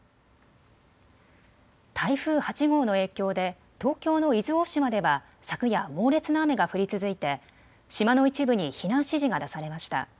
台風８号の影響で東京の伊豆大島では昨夜、猛烈な雨が降り続いて島の一部に避難指示が出されました。